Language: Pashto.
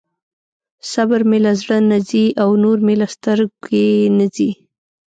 صبر مې له زړه نه ځي او نور مې له سترګې نه ځي.